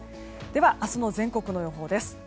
では、明日の全国の予報です。